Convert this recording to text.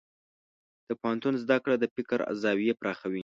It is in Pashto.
د پوهنتون زده کړه د فکر زاویې پراخوي.